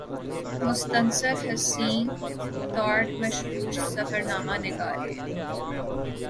مستنصر حسین تارڑ مشہور سفرنامہ نگار ہیں